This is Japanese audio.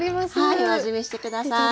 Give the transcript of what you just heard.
はいお味見して下さい。